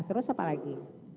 terus apa lagi